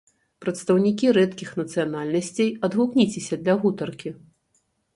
Прадстаўнікі рэдкіх нацыянальнасцей, адгукніцеся для гутаркі!